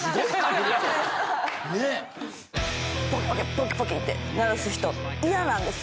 ポキポキって鳴らす人嫌なんです。